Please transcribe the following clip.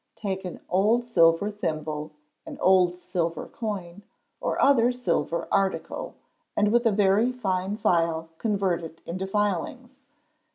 Take an old silver thimble, an old silver coin, or other silver article, and with a very fine file convert it into filings.